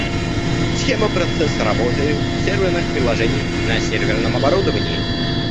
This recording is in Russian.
Схема процесса работы серверных приложений на серверном оборудовании